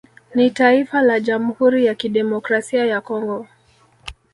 Ni taifa la Jamhuri ya Kidemokrasia ya Congo